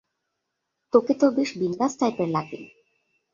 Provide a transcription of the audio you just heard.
তোকে তো বেশ বিন্দাস টাইপের লাগে।